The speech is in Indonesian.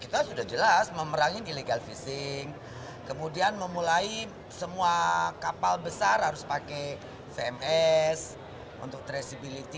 kita sudah jelas memerangin illegal fishing kemudian memulai semua kapal besar harus pakai vms untuk traceability